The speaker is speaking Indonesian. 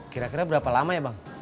kira kira berapa lama ya bang